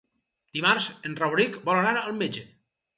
Dimarts en Rauric vol anar al metge.